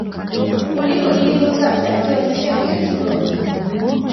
kuliko ilivyo sasa ikiwa sehemu ya Kigoma